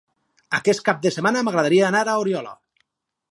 Aquest cap de setmana m'agradaria anar a Oriola.